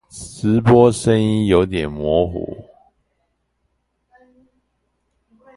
直播聲音有點模糊